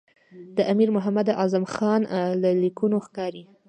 د امیر محمد اعظم خان له لیکونو ښکاري.